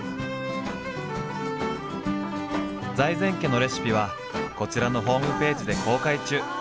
財前家のレシピはこちらのホームページで公開中。